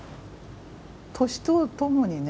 年とともにね